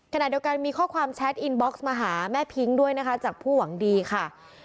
ขณะเดียวกันมีข้อความแชทอินบ็อกซ์มาหาแม่พิ้งด้วยนะคะจากผู้หวังดีค่ะ